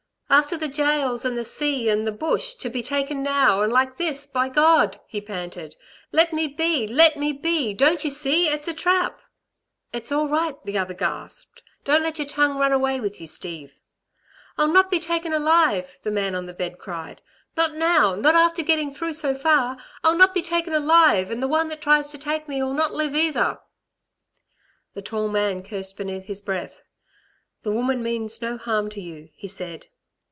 "After the gaols, 'n the sea, 'n the bush, to be taken now and like this, by God " he panted. "Let me be! Let me be, don't you see it's a trap!" "It's all right," the other gasped. "Don't let your tongue run away with you, Steve." "I'll not be taken alive," the man on the bed cried. "Not now, not after getting through so far, I'll not be taken alive, 'n the one that tries to take me'll not live either." The tall man cursed beneath his breath. "The woman means no harm to you," he said.